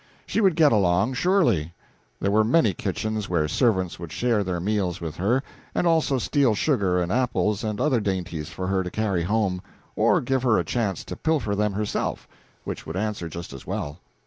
She would get along, surely; there were many kitchens where the servants would share their meals with her, and also steal sugar and apples and other dainties for her to carry home or give her a chance to pilfer them herself, which would answer just as well.